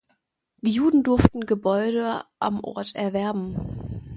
Die Juden durften Gebäude am Ort erwerben.